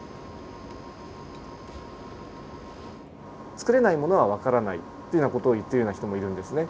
つくれないものはわからないっていうような事を言っているような人もいるんですね。